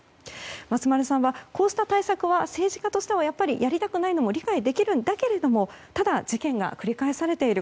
松丸さんはこうした対策は政治家としてはやっぱりやりたくないのも理解できるんだけれどもただ、事件が繰り返されている